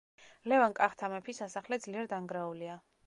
ლევან კახთა მეფის სასახლე ძლიერ დანგრეულია.